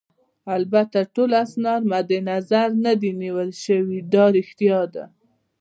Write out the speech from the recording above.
البته ټول اسناد مدنظر نه دي نیول شوي، دا ريښتیا ده.